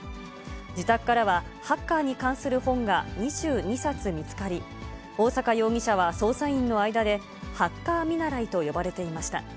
自宅からはハッカーに関する本が２２冊見つかり、大坂容疑者は捜査員の間で、ハッカー見習いと呼ばれていました。